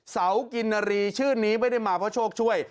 เสากินนารีชื่อนี้ไม่ได้มาเพราะโชคช่วย